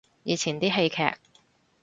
以前啲戲劇